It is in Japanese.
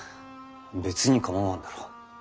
別に構わんだろう。